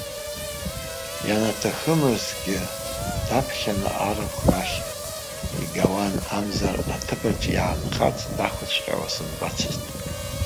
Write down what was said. Ианаҭахымызгьы даԥхьаны арахә рахь игауан амзар, аҭыԥаҿ иаанхарц дақәыҵәҟьауа сымбацызт.